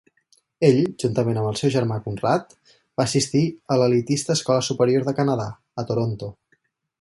Ell, juntament amb el seu germà Conrad, va assistir a l'elitista Escola Superior de Canadà, a Toronto.